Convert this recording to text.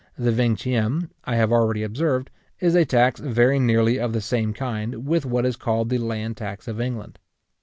The vingtieme, I have already observed, is a tax very nearly of the same kind with what is called the land tax of England.